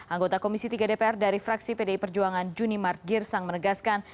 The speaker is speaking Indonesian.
anggota komisi tiga dpr dari fraksi pdi perjuangan juni mart girsang menegaskan